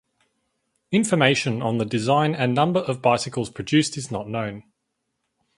Information on the design and number of bicycles produced is not known.